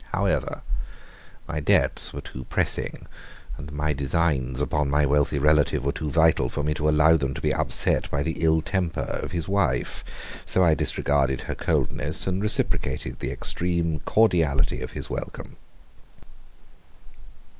However, my debts were too pressing and my designs upon my wealthy relative were too vital for me to allow them to be upset by the ill temper of his wife, so I disregarded her coldness and reciprocated the extreme cordiality of his welcome.